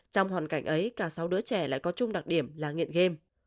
trong hoàn cảnh ấy cả sáu đứa trẻ lại có chung đặc điểm là nghiện game